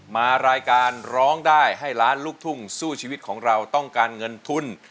มารายการร้องได้ให้ล้านลูกทุ่งสู้ชีวิตของเราต้องการเงินทุน